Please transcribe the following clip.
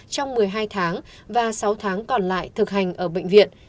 trong một mươi hai tháng và sáu tháng còn lại thực hành ở bệnh viện